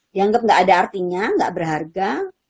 dianggap gak ada artinya gak berharga